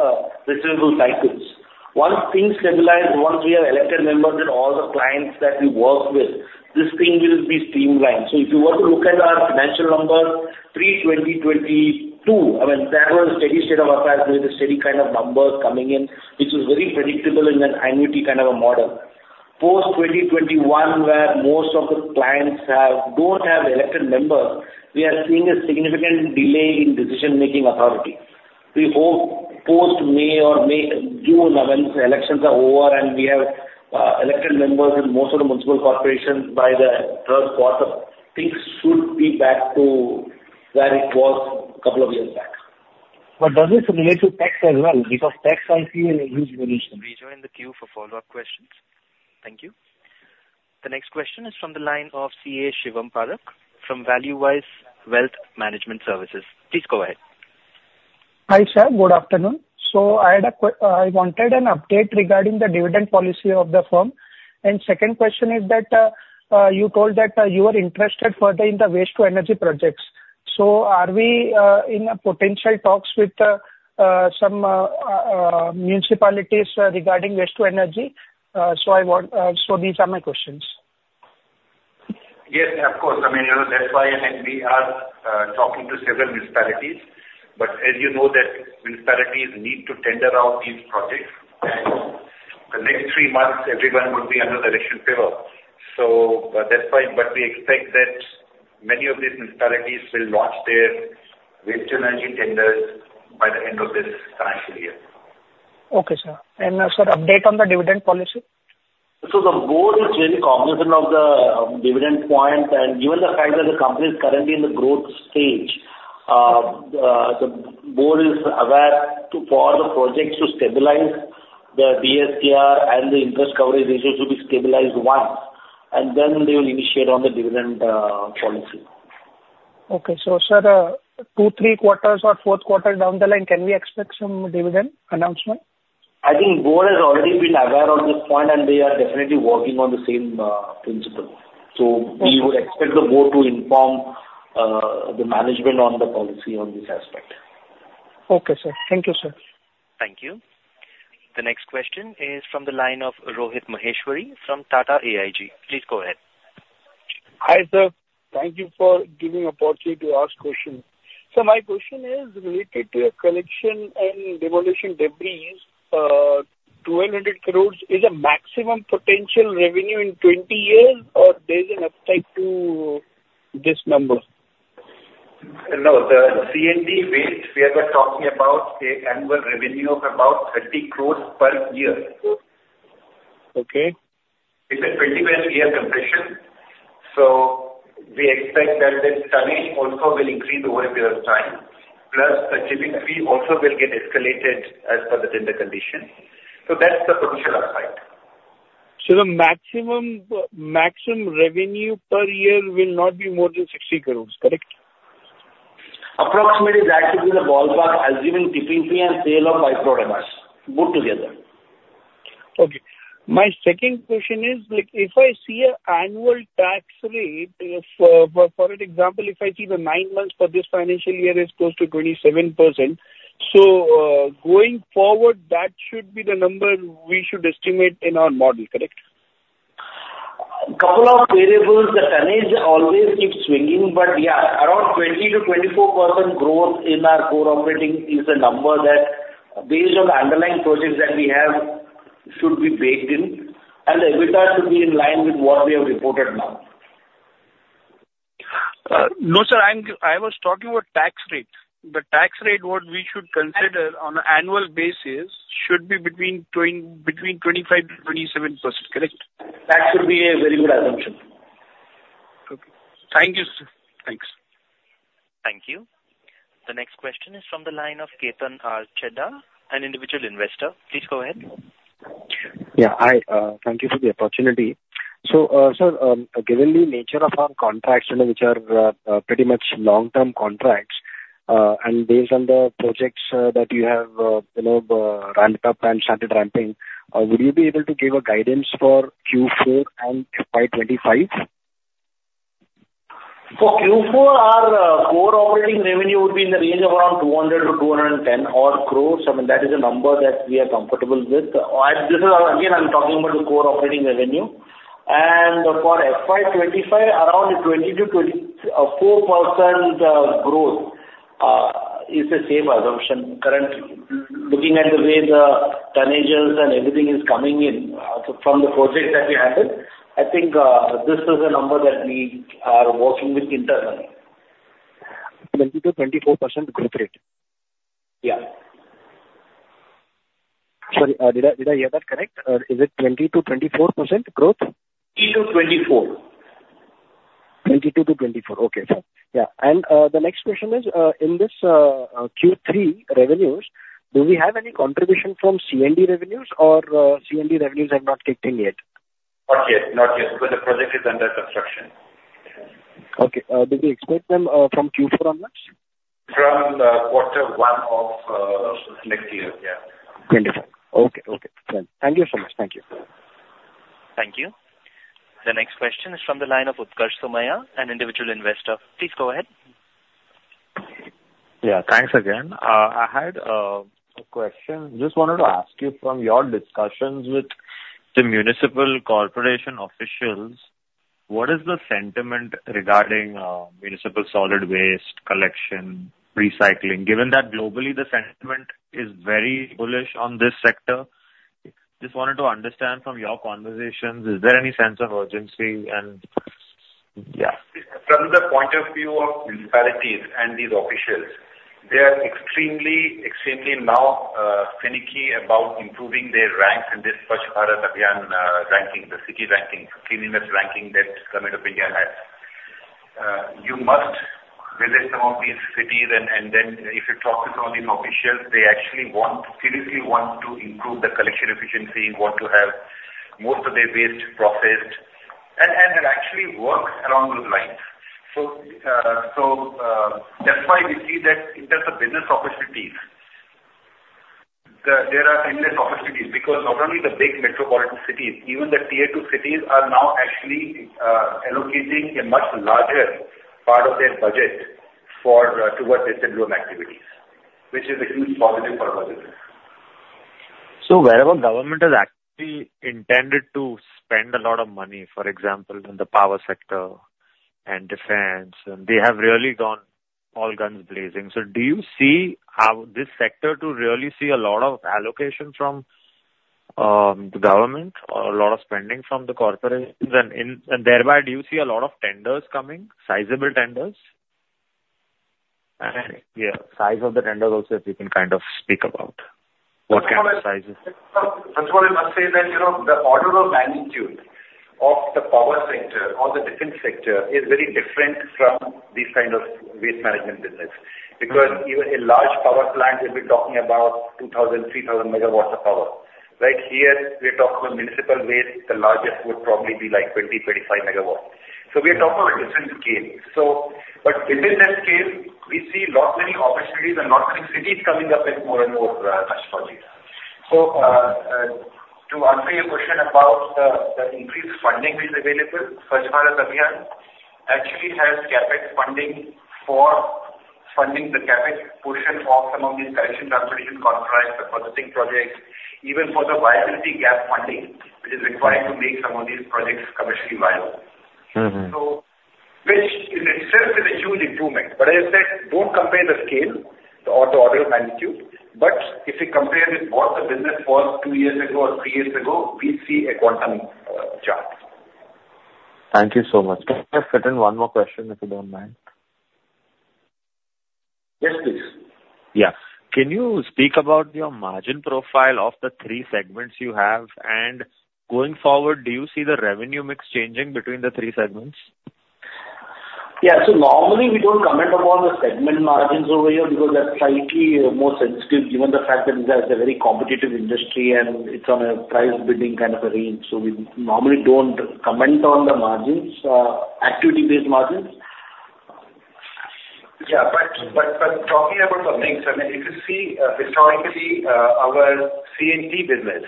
receivable cycles. Once things stabilize, once we have elected members in all the clients that we work with, this thing will be streamlined. So if you were to look at our financial numbers, pre-2022, I mean, there was a steady state of affairs with a steady kind of numbers coming in, which was very predictable in an annuity kind of a model. Post-2021, where most of the clients don't have elected members, we are seeing a significant delay in decision-making authority. We hope post-May or May, June, when the elections are over and we have elected members in most of the municipal corporations by the third quarter, things should be back to where it was a couple of years back. But does this relate to tax as well because tax I see a huge variation? We joined the queue for follow-up questions. Thank you. The next question is from the line of CA Shivam Parekh from Valuewise Wealth Management Services. Please go ahead. Hi, sir. Good afternoon. I wanted an update regarding the dividend policy of the firm. Second question is that you told that you were interested further in the waste-to-energy projects. Are we in potential talks with some municipalities regarding waste-to-energy? These are my questions. Yes, of course. I mean, that's why we are talking to several municipalities. As you know, municipalities need to tender out these projects. The next three months, everyone would be under the election fever. We expect that many of these municipalities will launch their waste-to-energy tenders by the end of this financial year. Okay, sir. Sir, update on the dividend policy? The board is very cognizant of the dividend point. Given the fact that the company is currently in the growth stage, the board is aware for the projects to stabilize, the DSCR and the interest coverage ratio should be stabilized once, and then they will initiate on the dividend policy. Okay. Sir, two, three quarters or fourth quarters down the line, can we expect some dividend announcement? I think the board has already been aware of this point, and they are definitely working on the same principle. So we would expect the board to inform the management on the policy on this aspect. Okay, sir. Thank you, sir. Thank you. The next question is from the line of Rohit Maheshwari from TATA AIG. Please go ahead. Hi, sir. Thank you for giving me the opportunity to ask a question. Sir, my question is related to construction and demolition debris. 1,200 crore is a maximum potential revenue in 20 years, or there's an upside to this number? No. The C&D waste we have been talking about, annual revenue of about 30 crore per year. It's a 21-year concession. So we expect that the tonnage also will increase over a period of time, plus the tipping fee also will get escalated as per the tender condition. So that's the potential upside. The maximum revenue per year will not be more than 60 crore, correct? Approximately, that should be the ballpark, assuming tipping fee and sale of byproducts put together. Okay. My second question is, if I see an annual tax rate, for example, if I see the nine months for this financial year is close to 27%, so going forward, that should be the number we should estimate in our model, correct? A couple of variables. The tonnage always keeps swinging. But yeah, around 20%-24% growth in our core operating is a number that, based on the underlying projects that we have, should be baked in, and the EBITDA should be in line with what we have reported now. No, sir. I was talking about tax rate. The tax rate, what we should consider on an annual basis, should be between 25%-27%, correct? That should be a very good assumption. Okay. Thank you, sir. Thanks. Thank you. The next question is from the line of Ketan R. Chheda, an individual investor. Please go ahead. Yeah. Thank you for the opportunity. So sir, given the nature of our contracts, which are pretty much long-term contracts, and based on the projects that you have ramped up and started ramping, would you be able to give guidance for Q4 and FY 2025? For Q4, our core operating revenue would be in the range of around 200 crores-210 crores. I mean, that is a number that we are comfortable with. Again, I'm talking about the core operating revenue. And for FY 2025, around 20%-24% growth is a safe assumption. Currently, looking at the way the tonnages and everything is coming in from the projects that we handle, I think this is a number that we are working with internally. 20%-24% growth rate? Yeah. Sorry. Did I hear that correct? Is it 20%-24% growth? 20%-24%. 22%-24%. Okay, sir. Yeah. The next question is, in this Q3 revenues, do we have any contribution from C&D revenues, or C&D revenues have not kicked in yet? Not yet. Not yet because the project is under construction. Okay. Do we expect them from Q4 onwards? From quarter one of next year. Yeah. Okay, okay. Thank you so much. Thank you. Thank you. The next question is from the line of Utkarsh Somaiya, an individual investor. Please go ahead. Yeah. Thanks again. I had a question. Just wanted to ask you, from your discussions with the municipal corporation officials, what is the sentiment regarding municipal solid waste collection, recycling? Given that globally, the sentiment is very bullish on this sector, just wanted to understand from your conversations, is there any sense of urgency? And yeah. From the point of view of municipalities and these officials, they are extremely, extremely now finicky about improving their ranks in this Swachh Bharat Abhiyan ranking, the city ranking, cleanliness ranking that Government of India has. You must visit some of these cities. And then if you talk to some of these officials, they actually seriously want to improve the collection efficiency, want to have most of their waste processed, and actually work along those lines. So that's why we see that in terms of business opportunities, there are endless opportunities because not only the big metropolitan cities, even the Tier 2 cities are now actually allocating a much larger part of their budget towards sanitation activities, which is a huge positive for our business. So wherever government has actually intended to spend a lot of money, for example, in the power sector and defense, they have really gone all guns blazing. So do you see this sector to really see a lot of allocation from the government or a lot of spending from the corporations? And thereby, do you see a lot of tenders coming, sizable tenders? And yeah, size of the tenders also, if you can kind of speak about what kind of sizes. That's what I must say, that the order of magnitude of the power sector or the different sector is very different from this kind of waste management business because even a large power plant, we'll be talking about 2,000, 3,000 MW of power. Right here, we're talking about municipal waste. The largest would probably be like 20, 25 MW. So we're talking about a different scale. But within that scale, we see not many opportunities and not many cities coming up with more and more such projects. So to answer your question about the increased funding which is available, Swachh Bharat Abhiyan actually has CapEx funding for funding the CapEx portion of some of these collection, transportation, contract, and processing projects, even for the viability gap funding, which is required to make some of these projects commercially viable. So which in itself is a huge improvement. But as I said, don't compare the scale to order of magnitude. But if you compare with what the business was two years ago or three years ago, we see a quantum chart. Thank you so much. Can I ask one more question, if you don't mind? Yes, please. Yeah. Can you speak about your margin profile of the three segments you have? And going forward, do you see the revenue mix changing between the three segments? Yeah. So normally, we don't comment upon the segment margins over here because that's slightly more sensitive given the fact that it has a very competitive industry, and it's on a price-bidding kind of a range. So we normally don't comment on the margins, activity-based margins. Yeah. But talking about some things, I mean, if you see historically, our C&T business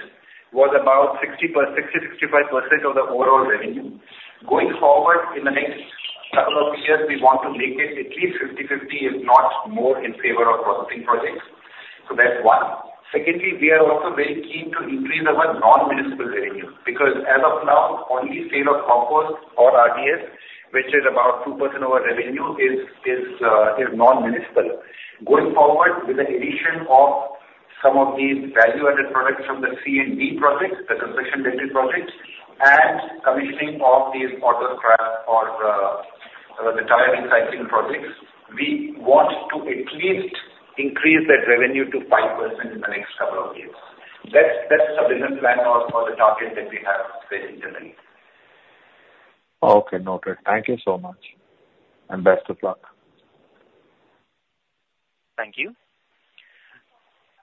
was about 60%-65% of the overall revenue. Going forward, in the next couple of years, we want to make it at least 50/50, if not more, in favor of processing projects. So that's one. Secondly, we are also very keen to increase our non-municipal revenue because as of now, only sale of compost or RDF, which is about 2% of our revenue, is non-municipal. Going forward, with the addition of some of these value-added products from the C&D projects, the construction-related projects, and commissioning of these auto scrap or the tire recycling projects, we want to at least increase that revenue to 5% in the next couple of years. That's the business plan or the target that we have very intermittent. Oh, okay. Noted. Thank you so much. And best of luck. Thank you.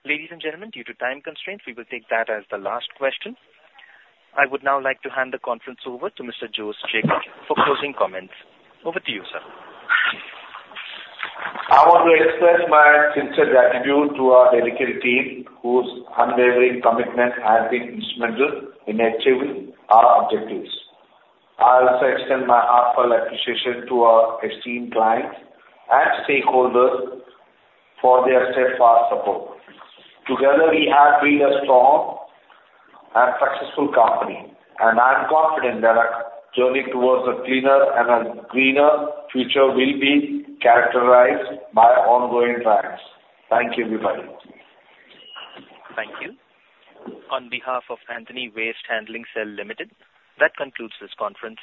Ladies and gentlemen, due to time constraints, we will take that as the last question. I would now like to hand the conference over to Mr. Jose Jacob for closing comments. Over to you, sir. I want to express my sincere gratitude to our dedicated team, whose unwavering commitment has been instrumental in achieving our objectives. I also extend my heartfelt appreciation to our esteemed clients and stakeholders for their steadfast support. Together, we have built a strong and successful company, and I'm confident that our journey towards a cleaner and a greener future will be characterized by ongoing triumphs. Thank you, everybody. Thank you. On behalf of Antony Waste Handling Cell Limited, that concludes this conference.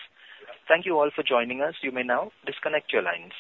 Thank you all for joining us. You may now disconnect your lines.